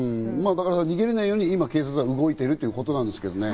逃げられないように今、警察が動いてるということですけどね。